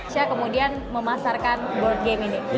saya kemudian memasarkan board game ini